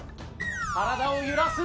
体を揺らす。